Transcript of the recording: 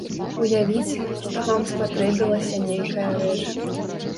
Уявіце, што вам спатрэбілася нейкая рэч.